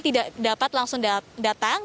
tidak dapat langsung datang